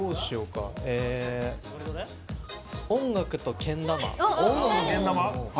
「音楽とけん玉」。